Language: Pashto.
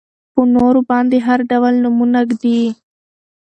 په نورو باندې هر ډول نومونه ږدي.